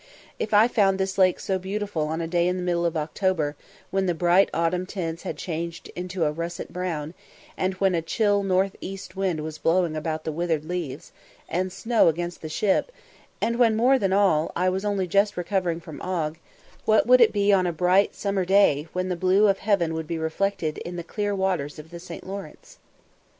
If I found this lake so beautiful on a day in the middle of October, when the bright autumn tints had changed into a russet brown, and when a chill north east wind was blowing about the withered leaves, and the snow against the ship and when, more than all, I was only just recovering from ague what would it be on a bright summer day, when the blue of heaven would be reflected in the clear waters of the St. Lawrence!